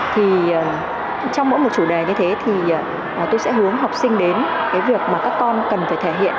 thì trong mỗi một chủ đề như thế thì tôi sẽ hướng học sinh đến cái việc mà các con cần phải thể hiện